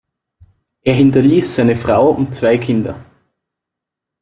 Er hinterließ seine Frau und zwei Kinder.